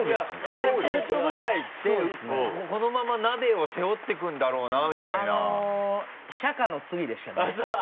「パラシュート部隊ってこのままナベを背負っていくんだろうな」みたいなシャカの次でしたね。